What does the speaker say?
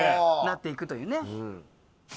なっていくというね。